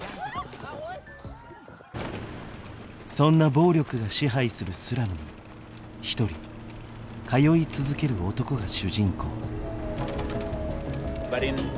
そんな暴力が支配するスラムに１人通い続ける男が主人公。